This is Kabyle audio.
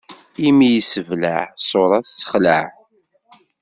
Imi yessebleɛ, ṣṣuṛa tessexlaɛ.